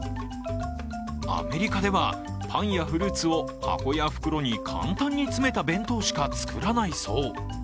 アメリカではパンやフルーツを箱や袋に簡単に詰めた弁当しか作らないそう。